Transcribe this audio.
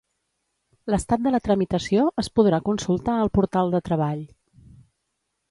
L'estat de la tramitació es podrà consultar al portal de Treball.